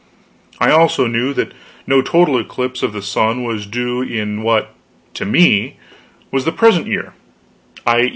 I also knew that no total eclipse of the sun was due in what to me was the present year i.